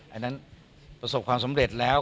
อันนั้นประสบความสำเร็จแล้ว